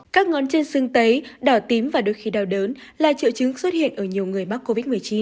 các ngón chân sưng tấy đỏ tím và đôi khi đau đớn là triệu chứng xuất hiện ở nhiều người mắc covid một mươi chín